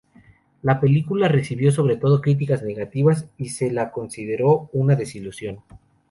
La película recibió sobre todo críticas negativas y se la consideró una desilusión.